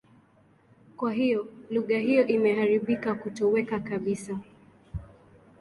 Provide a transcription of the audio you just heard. Kwa hiyo, lugha hiyo imekaribia kutoweka kabisa.